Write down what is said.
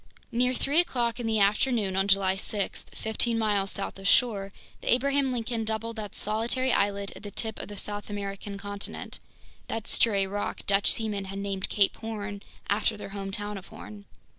Near three o'clock in the afternoon on July 6, fifteen miles south of shore, the Abraham Lincoln doubled that solitary islet at the tip of the South American continent, that stray rock Dutch seamen had named Cape Horn after their hometown of Hoorn.